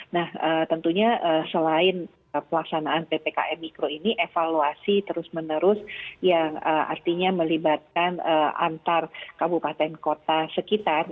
nah tentunya selain pelaksanaan ppkm mikro ini evaluasi terus menerus yang artinya melibatkan antar kabupaten kota sekitar